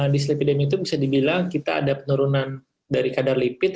di sleepidemi itu bisa dibilang kita ada penurunan dari kadar lipid